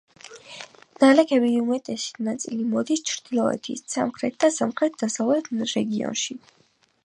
ნალექების უმეტესი ნაწილი მოდის ჩრდილოეთით, სამხრეთ და სამხრეთ-დასავლეთ რაიონებში.